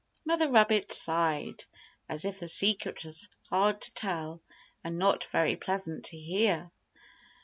Mother rabbit sighed, as if the secret was hard to tell, and not very pleasant to hear.